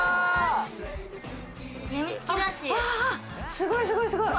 すごいすごいすごい。